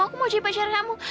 aku mau jadi pacar sama kamu